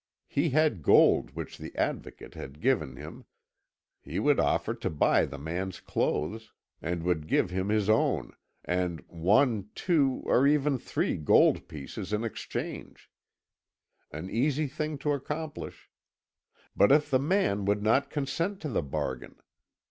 He had gold which the Advocate had given him; he would offer to buy the man's clothes, and would give him his own, and one, two, or even three gold pieces in exchange; An easy thing to accomplish. But if the man would not consent to the bargain!